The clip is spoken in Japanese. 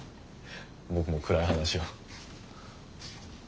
僕も暗い話を。